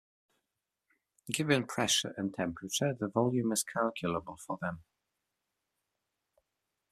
Given pressure and temperature, the volume is calculable from them.